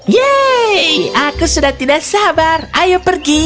yeay aku sudah tidak sabar ayo pergi